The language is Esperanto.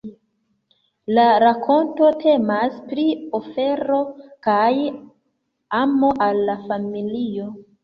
La rakonto temas pri ofero kaj amo al la familio.